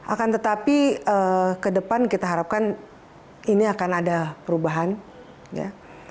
akan tetapi ke depan kita harapkan ini akan ada perubahan ya